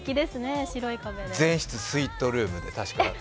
全室スイートルームで。